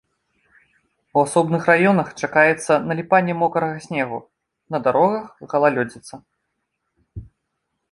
У асобных раёнах чакаецца наліпанне мокрага снегу, на дарогах галалёдзіца.